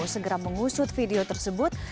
segera mengusut video tersebut